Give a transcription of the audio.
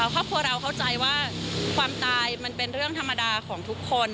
ครอบครัวเราเข้าใจว่าความตายมันเป็นเรื่องธรรมดาของทุกคน